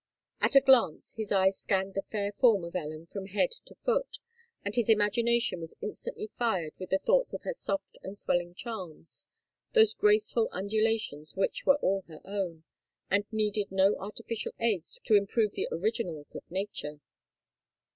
At a glance his eyes scanned the fair form of Ellen from head to foot; and his imagination was instantly fired with the thoughts of her soft and swelling charms—those graceful undulations which were all her own, and needed no artificial aids to improve the originals of nature!